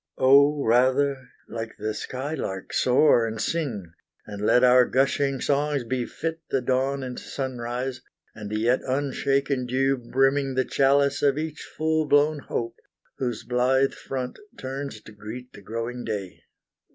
O, rather like the sky lark, soar and sing, And let our gushing songs befit the dawn And sunrise, and the yet unshaken dew Brimming the chalice of each full blown hope, Whose blithe front turns to greet the growing day.